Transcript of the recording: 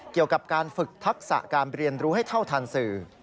เกี่ยวกับการฝึกทักษะการเรียนรู้ให้เท่าทันสื่อ